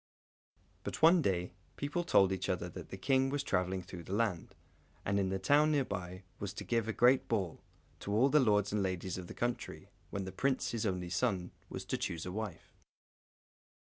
But, one day, people told each other that the King was travelling through the land, and in the town near by was to give a great ball, to all the lords and ladies of the country, when the Prince, his only son, was to choose a wife.